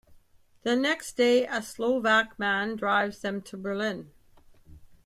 The next day, a Slovak man drives them to Berlin.